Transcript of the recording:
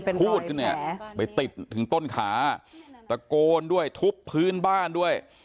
ติดเตียงได้ยินเสียงลูกสาวต้องโทรศัพท์ไปหาคนมาช่วย